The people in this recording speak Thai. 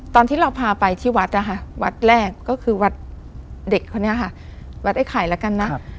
ตอนที่เราพาไปที่วัดนะคะวัดแรกก็คือวัดเด็กคนนี้ค่ะวัดไอ้ไข่แล้วกันนะ